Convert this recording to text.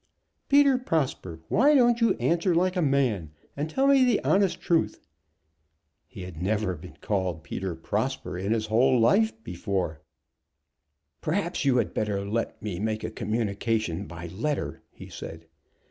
"Peter Prosper, why don't you answer like a man, and tell me the honest truth?" He had never before been called Peter Prosper in his whole life. "Perhaps you had better let me make a communication by letter," he said.